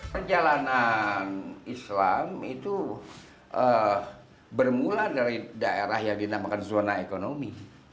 perjalanan islam itu bermula dari daerah yang dinamakan zona ekonomi